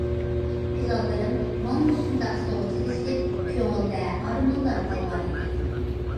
پىلانلىرىم مانا مۇشۇنداق سۇغا چىلىشىپ، كۆڭۈلدە ئارمانلار قالغان ئىدى.